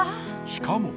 しかも。